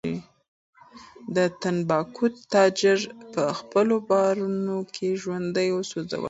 د تنباکو تاجر په خپلو بارونو کې ژوندی وسوځول شو.